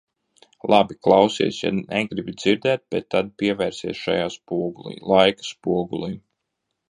Labi, neklausies, ja negribi dzirdēt, bet tad paveries šajā spogulī, laika spogulī.